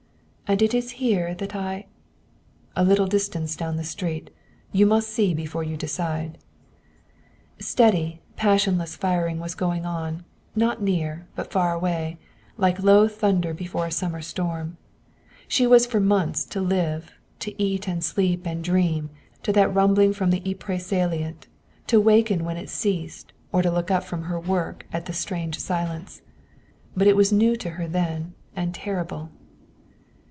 "And it is here that I " "A little distance down the street. You must see before you decide." Steady, passionless firing was going on, not near, but far away, like low thunder before a summer storm. She was for months to live, to eat and sleep and dream to that rumbling from the Ypres salient, to waken when it ceased or to look up from her work at the strange silence. But it was new to her then, and terrible.